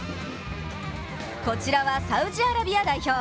こちらはサウジアラビア代表。